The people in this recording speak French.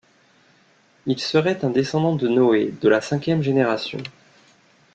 Il serait un descendant de Noé, de la cinquième génération.